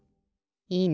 いいね！